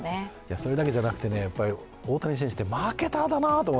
それだけじゃなくて、大谷選手ってマーケッターだなと。